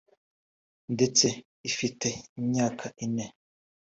ndetse ifite imyaka ine